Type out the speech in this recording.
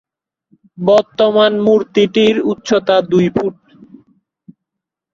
বর্তমান মূর্তিটির উচ্চতা দুই ফুট।